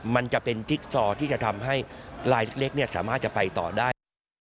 มันจะเป็นจิ๊กซอที่จะทำให้ลายเล็กสามารถจะไปต่อได้